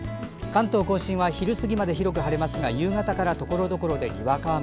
関東・甲信は昼過ぎまで広く晴れますが夕方からところどころで、にわか雨。